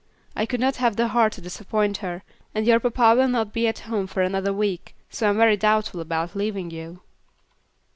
I could not have the heart to disappoint her, and your papa will not be at home for another week, so I am very doubtful about leaving you."